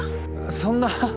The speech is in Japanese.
そんな。